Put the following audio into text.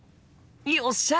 よっしゃ！